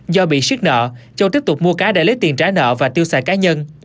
do bị siết nợ châu tiếp tục mua cá để lấy tiền trả nợ và tiêu xài cá nhân